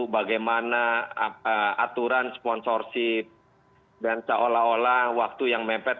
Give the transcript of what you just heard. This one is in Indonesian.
bagaimana aturan sponsorship dan seolah olah waktu yang mepet